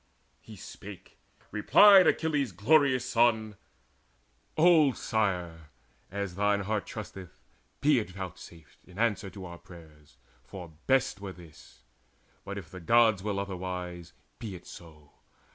He spake: replied Achilles' glorious son: "Old sire, as thine heart trusteth, be it vouchsafed In answer to our prayers; for best were this: But if the Gods will otherwise, be it so.